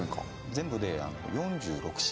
全部で４６品。